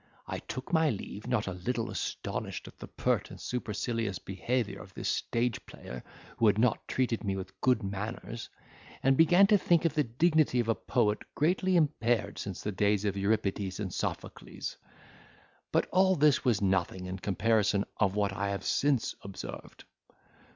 I took my leave, not a little astonished at the pert and supercilious behaviour of this stage player, who had not treated me with good manners; and began to think the dignity of a poet greatly impaired since the days of Euripides and Sophocles; but all this was nothing in comparison of what I have since observed.